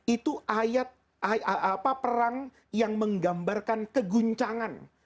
itu ayat perang yang menggambarkan keguncangan